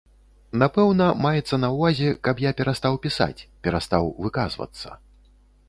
Напэўна, маецца на ўвазе, каб я перастаў пісаць, перастаў выказвацца.